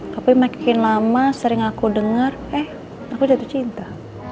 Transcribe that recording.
tapi makin lama sering aku dengar eh aku jatuh cinta